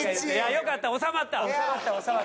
収まった収まった。